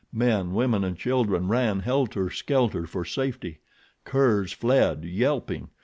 Men, women and children ran helter skelter for safety. Curs fled, yelping.